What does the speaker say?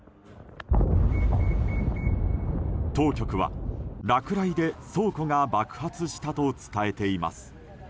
当局は落雷で倉庫が爆発したと伝えています。